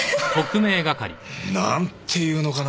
ん？なんていうのかな